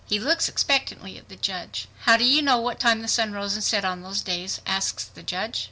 He looks expectantly at the judge. "How do you know what time the sun rose and set on those days?" asks the judge.